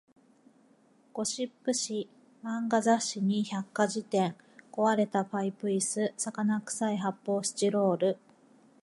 ゴシップ誌、漫画雑誌に百科事典、壊れたパイプ椅子、魚臭い発砲スチロール